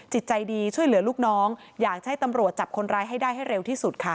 จิตใจดีช่วยเหลือลูกน้องอยากให้ตำรวจจับคนร้ายให้ได้ให้เร็วที่สุดค่ะ